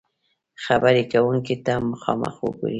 -خبرې کونکي ته مخامخ وګورئ